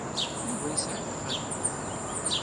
Yuba yesɛa taxatemt.